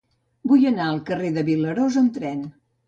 Vull anar al carrer de Vilarós amb tren.